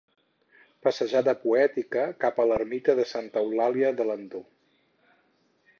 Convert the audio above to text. Passejada poètica cap a l'ermita de Santa Eulàlia d'Alendo.